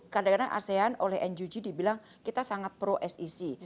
kadang kadang asean oleh nug dibilang kita sangat pro sec